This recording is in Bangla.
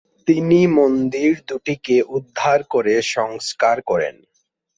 তিনি মন্দির দুটিকে উদ্ধার করে সংস্কার করেন।